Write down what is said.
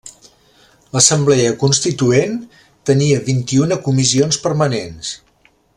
L'Assemblea Constituent tenia vint-i-una comissions permanents.